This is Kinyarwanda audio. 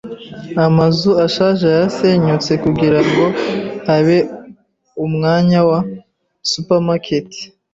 Amazu ashaje yarasenyutse kugirango habe umwanya wa supermarket.